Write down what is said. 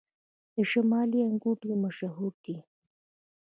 د شمالي انګور ډیر مشهور دي